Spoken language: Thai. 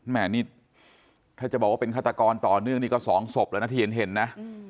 แม่นี่ถ้าจะบอกว่าเป็นฆาตกรต่อเนื่องนี่ก็๒ศพแล้วนะที่เห็นนะ